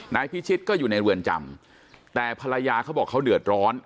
นายพิชิตก็อยู่ในเรือนจำแต่ภรรยาเขาบอกเขาเดือดร้อน